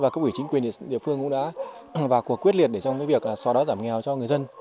các quỹ chính quyền địa phương cũng đã vào cuộc quyết liệt trong việc so đó giảm nghèo cho người dân